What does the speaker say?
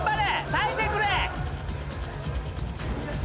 耐えてくれ！